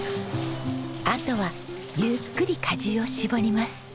あとはゆっくり果汁を搾ります。